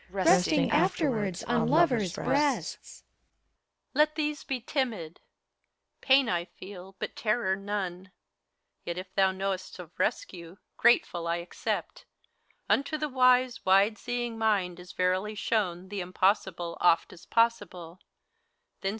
Resting afterwards on lovers' breasts. HELENA. Let these be timid I Pain I feel, but terror none ; Yet if thou know'st of rescue, grateful I accept! Unto the wise, wide seeing mind is verily shown The Impossible oft as possible.